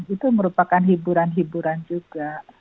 itu merupakan hiburan hiburan juga